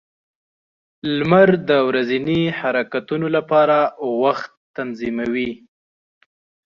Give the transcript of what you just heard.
• لمر د ورځني حرکتونو لپاره وخت تنظیموي.